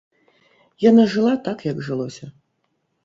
Яна жыла так як жылося.